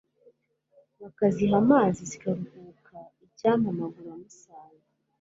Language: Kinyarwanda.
Bakaziha amazi zikaruhuka Icyampa amaguru amusanga